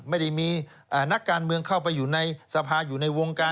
ไม่ได้มีนักการเมืองเข้าไปอยู่ในสภาอยู่ในวงการ